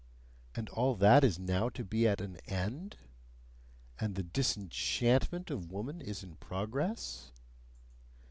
And all that is now to be at an end? And the DISENCHANTMENT of woman is in progress?